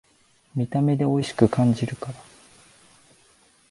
見た目でおいしく感じるから